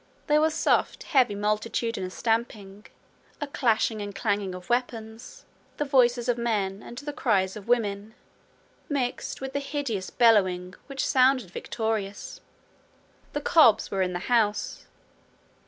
There was soft heavy multitudinous stamping, a clashing and clanging of weapons, the voices of men and the cries of women, mixed with a hideous bellowing, which sounded victorious. The cobs were in the house!